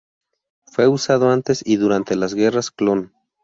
Fue usado antes y durante las Guerras Clon.